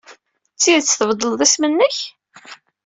D tidet tbeddleḍ isem-nnek?